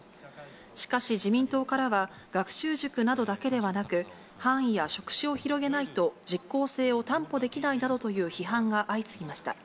しかし、自民党からは、学習塾などだけではなく、範囲や職種を広げないと、実効性を担保できないなどという批判が相次ぎました。